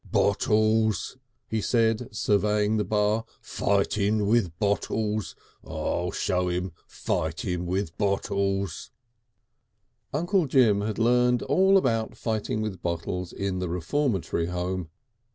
"Bolls!" he said, surveying the bar. "Fightin' with bolls! I'll show 'im fightin' with bolls!" Uncle Jim had learnt all about fighting with bottles in the Reformatory Home.